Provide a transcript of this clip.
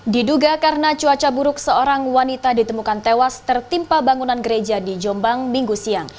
diduga karena cuaca buruk seorang wanita ditemukan tewas tertimpa bangunan gereja di jombang minggu siang